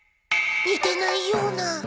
似てないような。